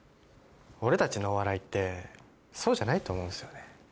俺たちのお笑いってそうじゃないと思うんですよね